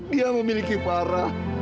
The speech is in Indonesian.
dia memiliki farah